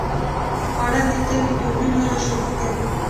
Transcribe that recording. خوړل د کلي دودونه راژوندي کوي